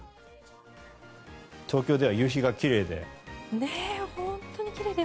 東京では夕日がきれいで。